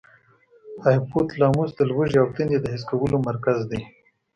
هایپو تلاموس د لوږې او تندې د حس کولو مرکز دی.